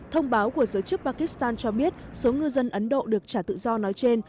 thông báo của giới chức pakistan cho biết số ngư dân ấn độ được trả tự do nói trên